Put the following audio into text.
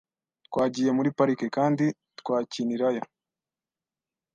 Twagiye muri parike, kandi twakinirayo